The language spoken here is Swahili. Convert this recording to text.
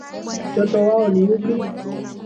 Mtoto wao ni yupi?